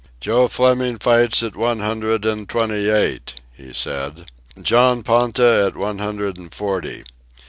"Joe Fleming fights at one hundred and twenty eight," he said; "John Ponta at one hundred and forty.